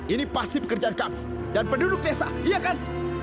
ini pasti pekerjaan kami dan penduduk desa iya kan